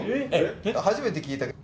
初めて聞いたけど。